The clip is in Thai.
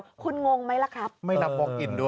โชว์คุณงงไหมล่ะครับ